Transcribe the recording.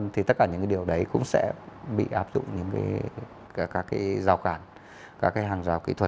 thì tất cả những cái điều đấy cũng sẽ bị áp dụng những cái rào cản các cái hàng rào kỹ thuật